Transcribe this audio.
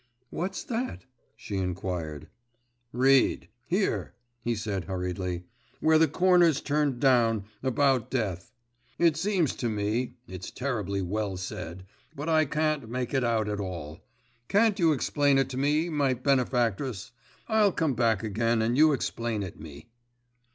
'What's that?' she inquired. 'Read … here,' he said hurriedly, 'where the corner's turned down, about death. It seems to me, it's terribly well said, but I can't make it out at all. Can't you explain it to me, my benefactress? I'll come back again and you explain it me.